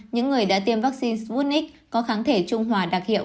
những người đã tiêm vaccine sputnik có kháng thể trung hòa đặc hiệu